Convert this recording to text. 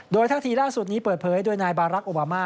โดยท่าทีล่าสุดนี้เปิดเผยโดยนายบารักษ์โอบามา